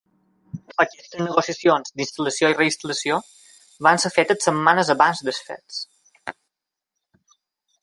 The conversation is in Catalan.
Aquestes negociacions d'instal·lació i reinstal·lació van ser fetes setmanes abans dels fets.